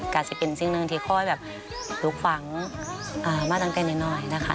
อาจจะเป็นสิ่งหนึ่งที่ค่อยแบบลูกฝังมาตั้งแต่นิดหน่อยนะคะ